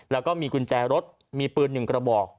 แล้วก็มีกุญแจรถมีปืน๑กระบอก